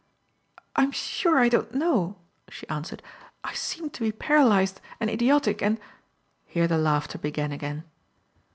"I am sure I don't know." she answered. "I seemed to be paralyzed and idiotic and " here the laughter began again.